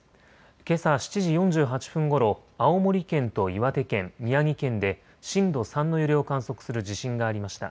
けさ７時４８分ごろ、青森県と岩手県、宮城県で震度３の揺れを観測する地震がありました。